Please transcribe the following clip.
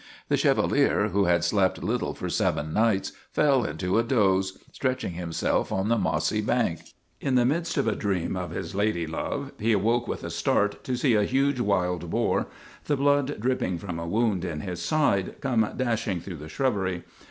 The Chevalier, who had slept little for seven nights, fell into a doze, stretching himself on the mossy bank. In the midst of a dream of his lady love, he awoke with a start to see a huge wild boar, the blood drip ping from a wound in his side, come dashing through the shrubbery.